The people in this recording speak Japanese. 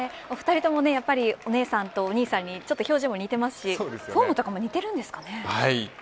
お２人ともやっぱりお姉さんとお兄さんにちょっと表情も似ていますしフォームも似ているんですかね。